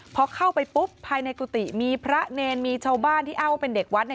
พอเข้าไปปุ๊บภายในกุฏิมีพระเนรมีชาวบ้านที่อ้างว่าเป็นเด็กวัด